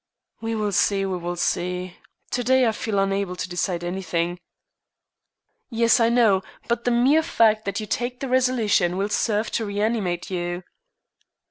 "We will see. We will see. To day I feel unable to decide anything." "Yes, I know, but the mere fact that you take the resolution will serve to reanimate you."